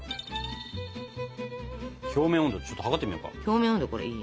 表面温度ちょっと測ってみようか。